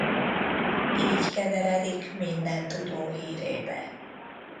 Így keveredik mindentudó hírébe.